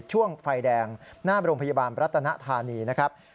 ช่วงไฟแดงหน้าโรงพยาบาลรัตนธานีนะครับ